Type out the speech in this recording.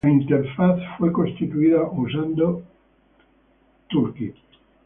La interfaz fue constituida usando Google Web Toolkit.